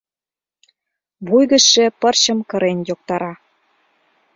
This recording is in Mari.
Вуй гычше пырчым кырен йоктара;